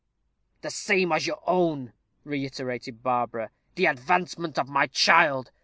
"The same as your own," reiterated Barbara "the advancement of my child.